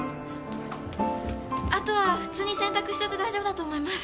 あとは普通に洗濯しちゃって大丈夫だと思います。